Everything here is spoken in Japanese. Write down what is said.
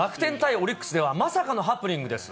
オリックスでは、まさかのハプニングです。